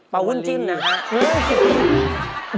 เปาว่นจิ้นนะฮะ